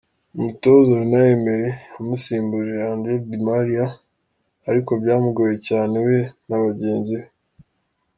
Umutoza Unai Emery yamusimbuje Angel Di Maria ariko byamugoye cyane we na bagenzi be.